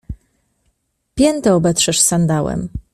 Piętę obetrzesz sandałem!